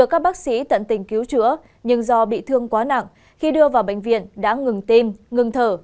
các bác sĩ tận tình cứu chữa nhưng do bị thương quá nặng khi đưa vào bệnh viện đã ngừng tim ngừng thở